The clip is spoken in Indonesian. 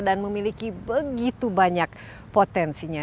dan memiliki begitu banyak potensinya